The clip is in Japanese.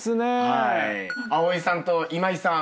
蒼さんと今井さん